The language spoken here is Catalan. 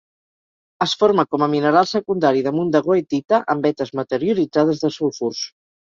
Es forma com a mineral secundari damunt de goethita en vetes meteoritzades de sulfurs.